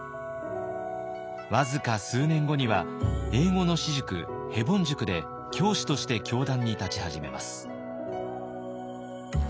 僅か数年後には英語の私塾ヘボン塾で教師として教壇に立ち始めます。